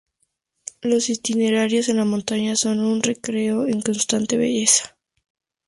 Los itinerarios en la montaña son un recreo de constante belleza